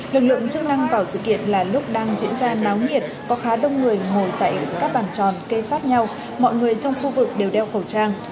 lực lượng chức năng vào sự kiện là lúc đang diễn ra náo nhiệt có khá đông người ngồi tại các bàn tròn kê sát nhau mọi người trong khu vực đều đeo khẩu trang